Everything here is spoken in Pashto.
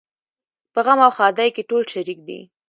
په غم او ښادۍ کې ټول شریک دي.